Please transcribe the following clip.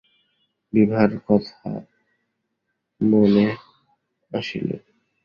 বিভার কথা মনে আসিল।